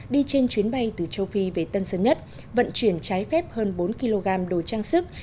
đi trên chuyến bay từ châu phi về tân sơn nhất vận chuyển trái phép hơn bốn kg đồ trang sức